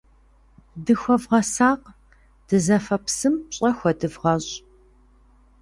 Дыхуэвгъэсакъ, дызэфэ псым пщӀэ хуэдывгъэщӀ.